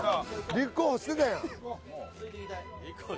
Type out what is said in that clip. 立候補してたやん